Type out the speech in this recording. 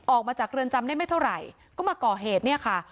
ออกมาจากเรือนจำได้ไม่เท่าไหร่ก็มาก่อเหตุเนี่ยค่ะ